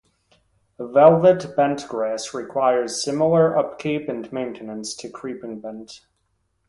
Velvet bent grass requires similar upkeep and maintenance to creeping bent.